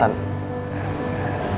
kamu bisa dengar